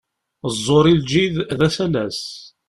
Ẓẓur i lǧid, d asalas.